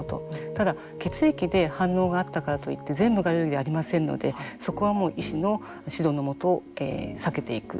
ただ、血液で反応があったからといって、全部がアレルギーではありませんので、そこはもう医師の指導のもと、避けていく。